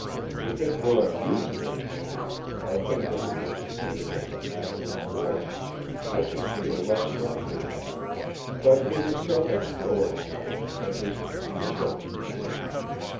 If it were a usual thing, a thing that would be considered as a matter of course, I should feel less strongly about it, but it is so extraordinary at least it seems so to me.